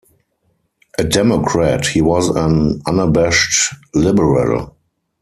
A Democrat, he was an unabashed liberal.